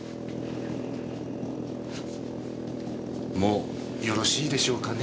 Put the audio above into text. もうよろしいでしょうかね？